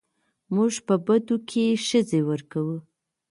موږ په بدو کې ښځې ورکوو